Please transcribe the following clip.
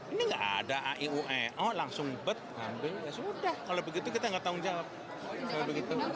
ini enggak ada aiue oh langsung bet ya sudah kalau begitu kita enggak tahu jawab